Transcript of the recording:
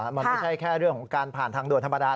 มันไม่ใช่แค่เรื่องของการผ่านทางด่วนธรรมดา